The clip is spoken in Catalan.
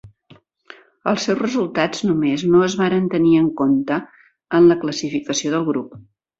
Els seus resultats només no es varen tenir en compte en la classificació del grup.